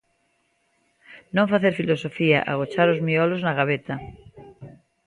Non facer filosofía, agochar os miolos na gabeta.